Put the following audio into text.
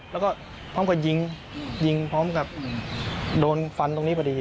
แล้วก็พร้อมกับยิงยิงพร้อมกับโดนฟันตรงนี้พอดี